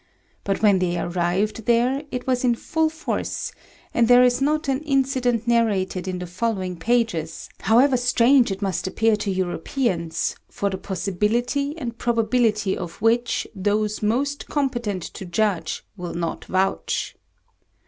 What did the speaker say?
But when they arrived there it was in full force, and there is not an incident narrated in the following pages, however strange it may appear to Europeans, for the possibility and probability of which those most competent to judge will not vouch.